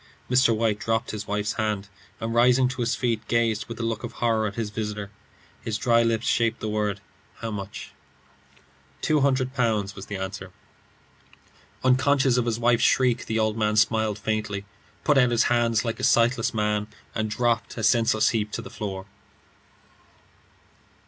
Mr. White dropped his wife's hand, and rising to his feet, gazed with a look of horror at his visitor. His dry lips shaped the words, "How much?" "Two hundred pounds," was the answer. Unconscious of his wife's shriek, the old man smiled faintly, put out his hands like a sightless man, and dropped, a senseless heap, to the floor.